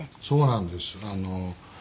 そうなんです。